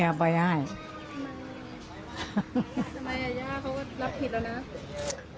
ทำไมอ่ะย่าเขาก็รับผิดแล้วนะ